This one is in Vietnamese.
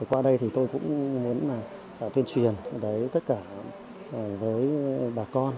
qua đây thì tôi cũng muốn là tuyên truyền tất cả với bà con